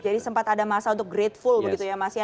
jadi sempat ada masa untuk grateful begitu ya mas ya